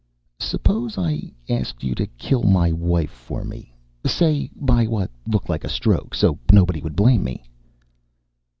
"Suppose I asked you to kill my wife for me say by what looked like a stroke, so nobody would blame me?"